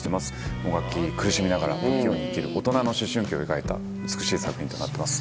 もがき苦しみながら不器用に生きる大人の思春期を描いた美しい作品となってます。